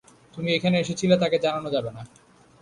তুমি এখানে এসেছিলে তাকে জানানো যাবেনা।